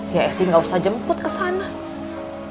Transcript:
ya esi gak usah jemput ke sana ya